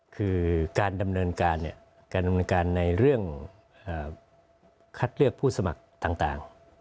คือการดำเนินการในเรื่องคัดเลือกผู้สมัครต่าง